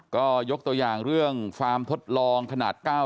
ก็ยกตัวอย่างเรื่องฟาร์มทดลองขนาด๙๐